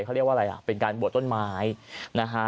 เขาเรียกว่าอะไรอ่ะเป็นการบวชต้นไม้นะฮะ